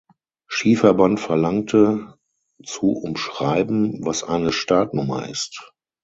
Skiverband verlangte, zu umschreiben, was eine Startnummer ist.